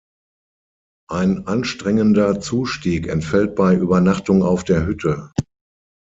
Ein anstrengender Zustieg entfällt bei Übernachtung auf der Hütte.